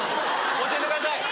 教えてください